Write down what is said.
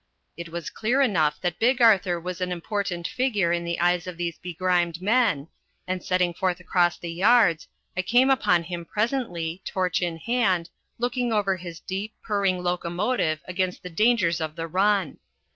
It was clear enough that Big Arthur was an important figure in the eyes of these begrimed men, and, setting forth across the yards, I came upon him presently, torch in hand, looking over his deep, purring locomotive against the dangers of the run.